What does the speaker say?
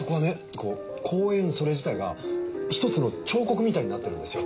こう公園それ自体が１つの彫刻みたいになってるんですよ。